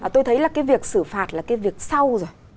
tôi thấy là cái việc xử phạt là cái việc sau rồi